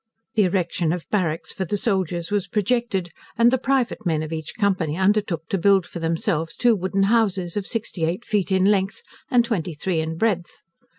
The erection of barracks for the soldiers was projected, and the private men of each company undertook to build for themselves two wooden houses, of sixty eight feet in length, and twenty three in breadth.